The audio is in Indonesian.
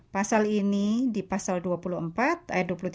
pasal ini di pasal dua puluh empat ayat dua puluh tiga dua puluh tujuh